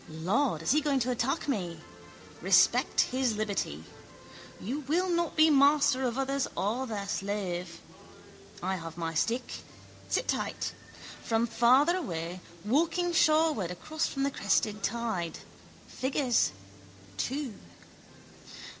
Lord, is he going to attack me? Respect his liberty. You will not be master of others or their slave. I have my stick. Sit tight. From farther away, walking shoreward across from the crested tide, figures, two.